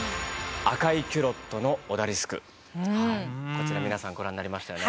こちら皆さんご覧になりましたよね。